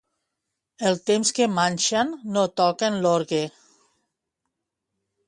El temps que manxen no toquen l'orgue.